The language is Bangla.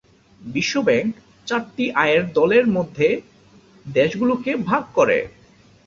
বিশ্ব ব্যাংক চারটি আয়ের দলের মধ্যে দেশগুলোকে ভাগ করে।